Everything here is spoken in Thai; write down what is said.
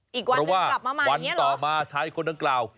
อีกวันเพราะว่าวันต่อมาชายคนดังกล่าว